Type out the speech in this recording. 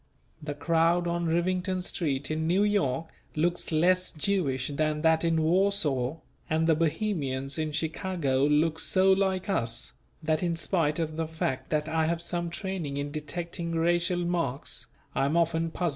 The crowd on Rivington Street in New York looks less Jewish than that in Warsaw, and the Bohemians in Chicago look so like "us," that in spite of the fact that I have some training in detecting racial marks, I am often puzzled and mistaken.